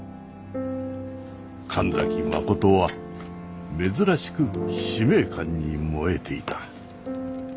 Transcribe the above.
神崎真は珍しく使命感に燃えていた。